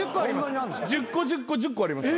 １０個１０個１０個あります。